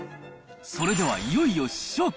それではいよいよ試食。